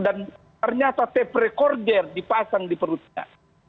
dan ternyata tape recorder dipasang di perutnya